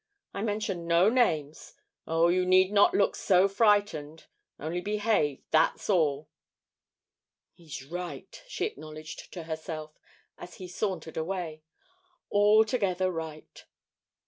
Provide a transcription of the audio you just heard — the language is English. I mention no names. Oh! you need not look so frightened. Only behave; that's all." "He's right," she acknowledged to herself, as he sauntered away; "altogether right."